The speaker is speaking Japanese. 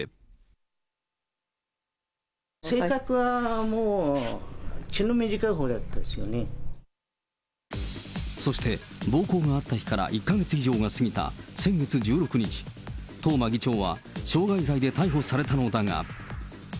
性格はもう、そして、暴行があった日から１か月以上が過ぎた先月１６日、東間議長は傷害罪で逮捕されたのだが。